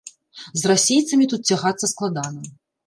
З расейцамі тут цягацца складана.